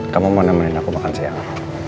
kamu mau nemenin aku makan siang